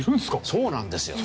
そうなんですよ。